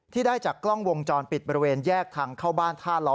ได้จากกล้องวงจรปิดบริเวณแยกทางเข้าบ้านท่าล้อ